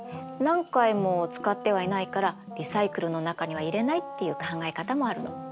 何回も使ってはいないからリサイクルの中には入れないっていう考え方もあるの。